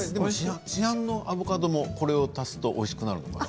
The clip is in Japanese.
市販のアボカドもこれを足すと、おいしくなるんですか。